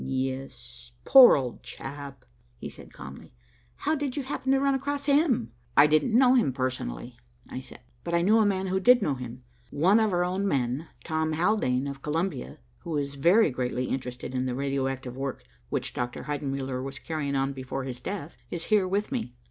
"Yes, poor old chap," he said calmly. "How did you happen to run across him?" "I didn't know him personally," I said, "but I knew a man who did know him. One of our own men, Tom Haldane of Columbia, who is very greatly interested in the radio active work which Dr. Heidenmuller was carrying on before his death, is here with me."